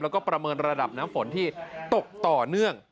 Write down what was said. แล้วก็ประเมินระดับน้ำฝนที่ตกต่อเนื่อง